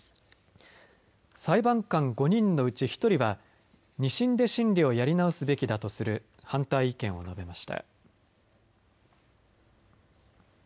裁判官５人のうち１人は２審で審理をやり直すべきだとする反対意見を述べました。